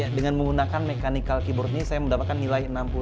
ya dengan menggunakan mechanical keyboard ini saya mendapatkan nilai enam puluh